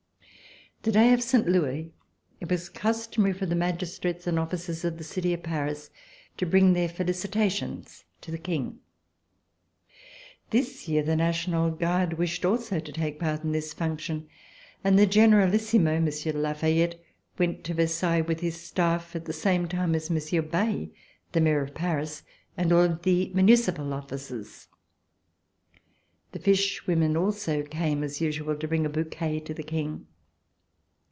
The day of Saint Louis it was customary for the magistrates and officers of the city of Paris to bring their felicitations to the King. This year the National Guard wished also to take part in this function, and the Generalissimo, Monsieur de La Fayette, went to Versailles with his staff, at the same time as Monsieur Bailly, the Mayor of Paris, and all of the municipal officers. The fish women also came as usual to bring a bouquet to the King.